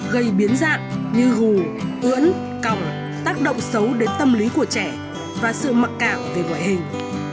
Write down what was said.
gây biến dạng như hù ướn còng tác động xấu đến tâm lý của trẻ và sự mặc cảm về ngoại hình